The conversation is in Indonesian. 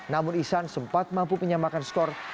namun ihsan sempat mampu menyamakan skor